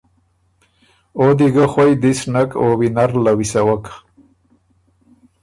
او دی ګۀ خوئ دِس نک او وینره له ویسوَک